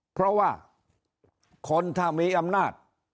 เพราะว่าคนถ้ามีอำนาจ